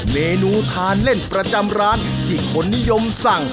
เมนูทานเล่นประจำร้านที่คนนิยมสั่ง